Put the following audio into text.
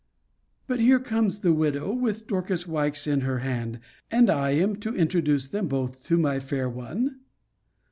But here comes the widow with Dorcas Wykes in her hand, and I am to introduce them both to my fair one?